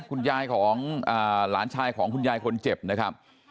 คุณยายของหลานชายของคุณยายคนเจ็บนะครับ